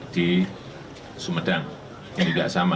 di sumedang yang tidak sama